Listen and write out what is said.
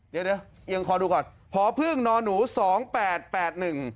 เดี๋ยวยังขอดูก่อนหอพึ่งนหนูสองแปดแปดหนึ่ง